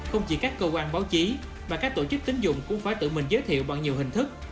không chỉ các cơ quan báo chí mà các tổ chức tính dụng cũng phải tự mình giới thiệu bằng nhiều hình thức